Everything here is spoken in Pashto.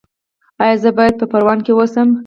ایا زه باید په پروان کې اوسم؟